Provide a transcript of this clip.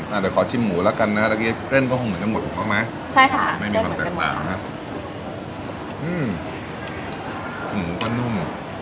เดี๋ยวขอชิมหมูแล้วกันนะครับตอนนี้เจนก็เหมือนจะหมดเพราะว่าไหม